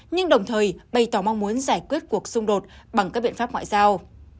nhưng đồng thời bày tỏ mong muốn giải quyết cuộc xung đột bằng các biện pháp ngoại giao